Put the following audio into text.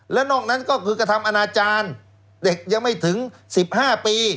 และนอกนั้นก็คือกระทำอนาจารย์เด็กยังไม่ถึง๑๕ปี